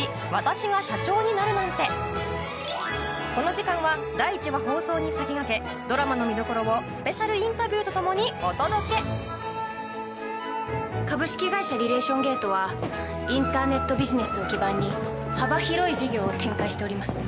この時間は第１話放送に先駆けドラマの見どころをスペシャルインタビューとともにお届け株式会社リレーション・ゲートはインターネットビジネスを基盤に幅広い事業を展開しております。